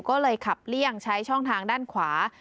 ก็เลยขับเลี่ยงใช้ช่องทางด้านขวา